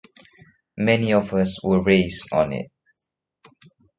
Many of us were raised on it.